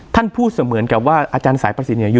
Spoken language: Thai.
ท่านพูดเสมือนกับว่าอาจารย์สายประสินเนี่ย